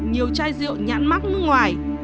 nhiều chai rượu nhãn mắc nước ngoài